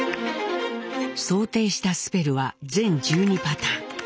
想定したスペルは全１２パターン。